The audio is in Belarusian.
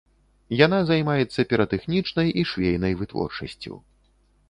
Яна займаецца піратэхнічнай і швейнай вытворчасцю.